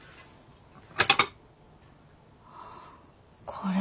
これ。